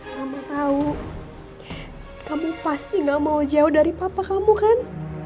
kamu tahu kamu pasti gak mau jauh dari papa kamu kan